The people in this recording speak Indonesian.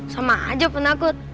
sama aja penakut